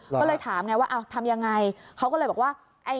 ก็เลยถามไงว่าทำยังไงเขาก็เลยบอกว่า